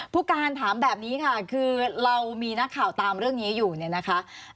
ผู้การถามแบบนี้ค่ะคือเรามีนักข่าวตามเรื่องนี้อยู่เนี่ยนะคะ